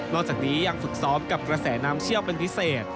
จากนี้ยังฝึกซ้อมกับกระแสน้ำเชี่ยวเป็นพิเศษ